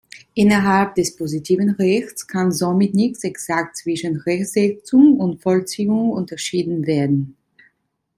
Innerhalb des positiven Rechts kann somit nicht exakt zwischen Rechtsetzung und Vollziehung unterschieden werden.